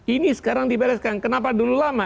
ini sekarang dibereskan kenapa dulu lama